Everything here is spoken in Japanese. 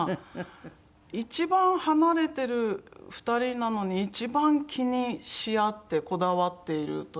一番離れてる２人なのに一番気にし合ってこだわっているという。